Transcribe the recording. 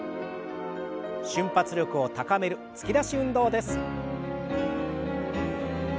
瞬発力を高める突き出し運動です。